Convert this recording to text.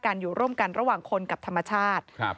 การอยู่ร่วมกันระหว่างคนกับธรรมชาติ